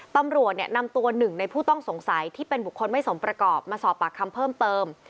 ตำรวจนำตัวหนึ่งในผู้ต้องสงสัยที่เป็นบุคคลไม่สมประกอบมาสอบปากคำเพิ่มเติม